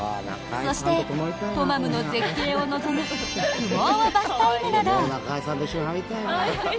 そして、トマムの絶景を望む雲泡バスタイムなど。